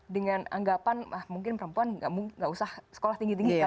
dengan anggapan mungkin perempuan gak usah sekolah tinggi tinggi ya